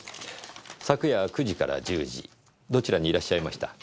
昨夜９時から１０時どちらにいらっしゃいました？